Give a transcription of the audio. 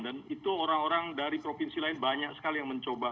dan itu orang orang dari provinsi lain banyak sekali yang mencoba itu